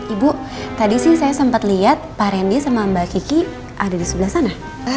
ibu tadi sih saya sempat lihat pak randy sama mbak kiki ada di sebelah sana